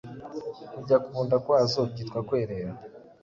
Kujya ku nda kwazo byitwa Kwerera